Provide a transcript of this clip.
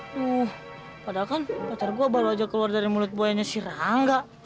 aduh padahal kan pacar gue baru aja keluar dari mulut buayanya si rangga